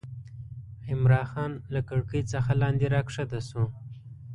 عمرا خان له کړکۍ څخه لاندې راکښته شو.